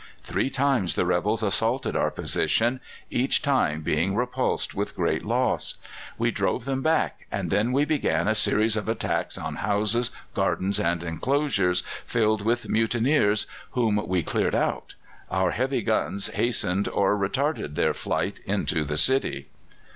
Three times the rebels assaulted our position, each time being repulsed with great loss. "We drove them back, and then we began a series of attacks on houses, gardens and enclosures filled with mutineers, whom we cleared out; our heavy guns hastened or retarded their flight into the city.